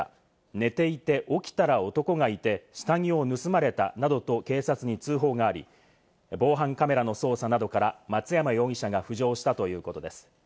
寝ていて、起きたら男がいて、下着を盗まれたなどと警察に通報があり、防犯カメラの捜査などから松山容疑者が浮上したということです。